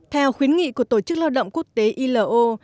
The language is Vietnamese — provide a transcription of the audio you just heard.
theo khuyến nghị của tổ chức lao động quốc tế ilo